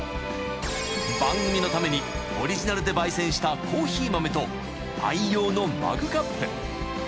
［番組のためにオリジナルで焙煎したコーヒー豆と愛用のマグカップ］